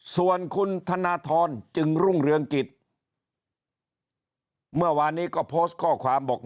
ส่วนคุณธนทรจึงรุ่งเรืองกิจเมื่อวานนี้ก็โพสต์ข้อความบอก